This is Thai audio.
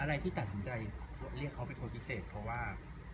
อะไรที่ตัดสินใจเรียกเขาเป็นคนพิเศษเพราะว่า